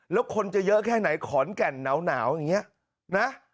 แล้วคนจะเยอะแค่ไหนขอนแก่นหนาวอย่างนี้นะ